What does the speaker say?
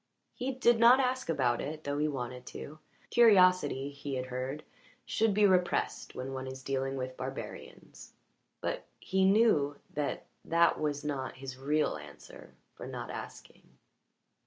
He did not ask about it, though he wanted to; curiosity, he had heard, should be repressed when one is dealing with barbarians. But he knew that that was not his real reason for not asking.